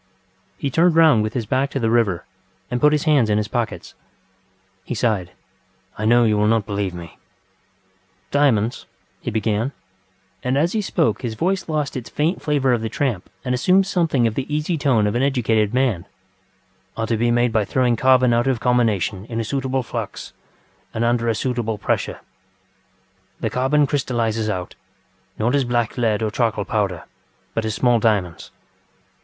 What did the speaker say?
ŌĆØ He turned round with his back to the river, and put his hands in his pockets. He sighed. ŌĆ£I know you will not believe me. ŌĆØ ŌĆ£Diamonds, ŌĆØ he beganŌĆöand as he spoke his voice lost its faint flavour of the tramp and assumed something of the easy tone of an educated manŌĆöŌĆ£are to be made by throwing carbon out of combination in a suitable flux and under a suitable pressure; the carbon crystallises out, not as black lead or charcoal powder, but as small diamonds.